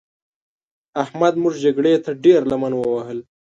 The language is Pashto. احمد موږ جګړې ته ډېره لمن ووهل.